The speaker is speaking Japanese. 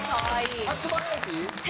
初バラエティー？